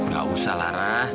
gak usah lara